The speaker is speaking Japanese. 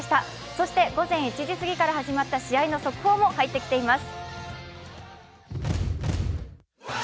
そして午前１時過ぎから始まった試合の速報も入ってきています。